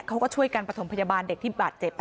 เขาก็ช่วยกันประถมพยาบาลเด็กที่บาดเจ็บ